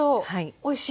おいしい。